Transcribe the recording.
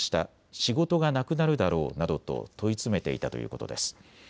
仕事がなくなるだろうなどと問い詰めていたということです。